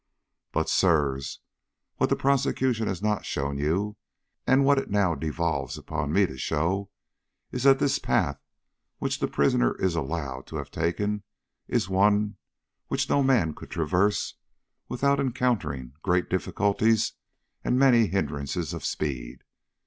"But, Sirs, what the prosecution has not shown you, and what it now devolves upon me to show, is that this path which the prisoner is allowed to have taken is one which no man could traverse without encountering great difficulties and many hindrances to speed.